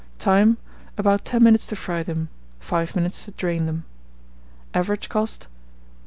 Time. About 10 minutes to fry them; 5 minutes to drain them. Average cost, 9d.